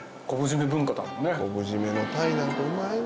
「昆布締めの鯛なんてうまいねん」